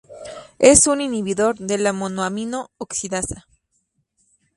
Es un inhibidor de la monoamino oxidasa.